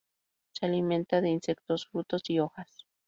Se alimenta de insectos, frutos y hojas.